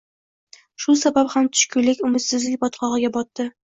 Shu sabab ham tushkunlik, umidsizlik botqog’iga botdi